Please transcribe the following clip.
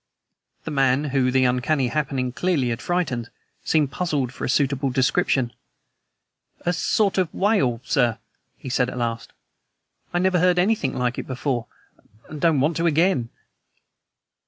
The man, whom the uncanny happening clearly had frightened, seemed puzzled for a suitable description. "A sort of wail, sir," he said at last. "I never heard anything like it before, and don't want to again."